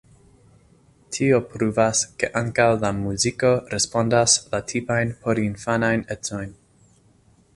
Tio pruvas ke ankaŭ la muziko respondas la tipajn porinfanajn ecojn.